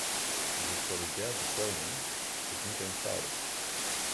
Zich solidair betonen is niet eenvoudig.